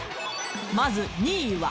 まず２位は